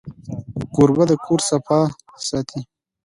کوربه د کور صفا ساتي.